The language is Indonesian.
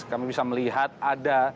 kami bisa melihat ada